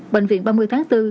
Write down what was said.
bệnh viện ba mươi tháng bốn